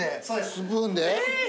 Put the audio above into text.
スプーンで？